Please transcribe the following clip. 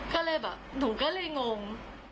ก็เลยแบบหนูก็เลยงง